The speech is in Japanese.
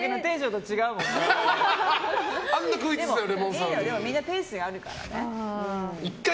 でも、いいのみんなペースがあるから。